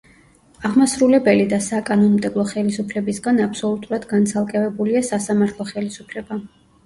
აღმასრულებელი და საკანონმდებლო ხელისუფლებისგან აბსოლუტურად განცალკევებულია სასამართლო ხელისუფლება.